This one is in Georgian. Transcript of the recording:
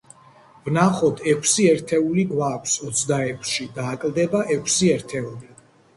ვნახოთ. ექვსი ერთეული გვაქვს ოცდაექვსში და აკლდება ექვსი ერთეული.